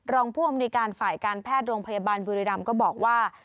รองผู้อำนวยการฝ่ายการแพทย์โรงพยาบาลบุรีรำก็บอกว่า